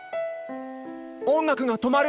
音楽が止まる！